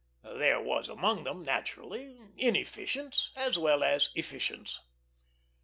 There were among them, naturally, inefficients as well as efficients.